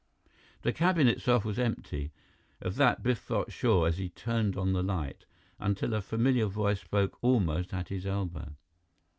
The cabin itself was empty. Of that, Biff felt sure as he turned on the light, until a familiar voice spoke almost at his elbow.